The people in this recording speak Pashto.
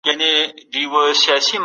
د شتمنو خلګو مال کي د غريبو حق سته.